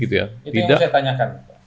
itu yang saya tanyakan